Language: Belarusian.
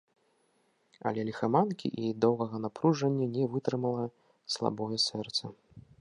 Але ліхаманкі і доўгага напружання не вытрымала слабое сэрца.